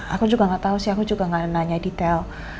aku juga nggak tahu sih aku juga gak nanya detail